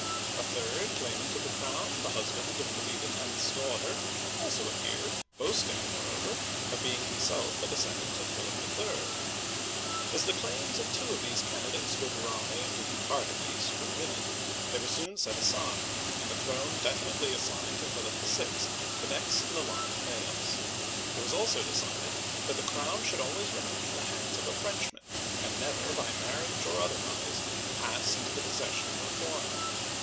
A third claim ant of the crown, the husband of Louis X.*s daughter, also appeared, boasting, moreover, of being himself a de scendant of Philip III. As the claims of two of these candidates were derived, in part at least, from women, they were soon set aside, and the throne definitely assigned to Philip VI., the next in the line of males. It was also decided that the crown should always remain in the hands of a Frenchrnan, and never by marriage, or otherwise, pass into the possession of a foreigner.